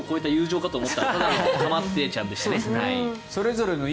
種を超えた友情かと思ったらただの構ってちゃんでしたね。